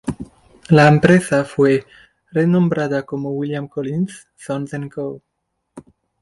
La empresa fue renombrada como William Collins, Sons and Co.